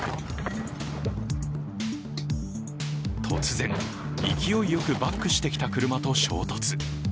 突然、勢いよくバックしてきた車と衝突。